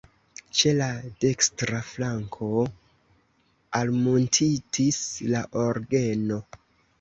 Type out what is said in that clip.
Ĉe la dekstra flanko almuntitis la orgeno.